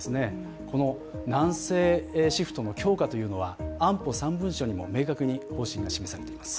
この南西シフトの強化というのは安保３文書にも明確に方針が示されています。